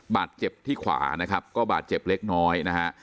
บาดเจ็บที่ขวาก็บาดเจ็บเล็กน้อย